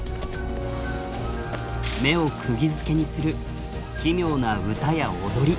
目をくぎづけにする奇妙な歌や踊り。